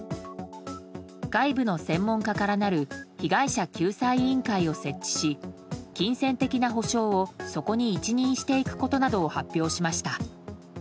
外部の専門家からなる被害者救済委員会を設置し金銭的な補償をそこに一任していくことなどを発表しました。